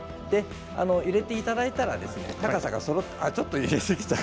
入れていただいたら高さがそろう。